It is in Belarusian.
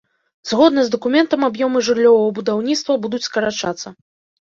Згодна з дакументам, аб'ёмы жыллёвага будаўніцтва будуць скарачацца.